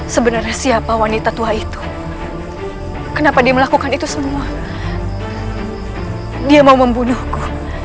sebenarnya siapa wanita tua itu kenapa dia melakukan itu semua dia mau membunuhku